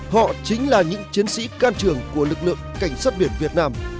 họ chính là những chiến sĩ can trường của lực lượng cảnh sát biển việt nam